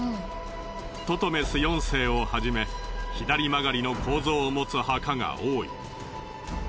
トトメス４世をはじめ左曲がりの構造を持つ墓が多い。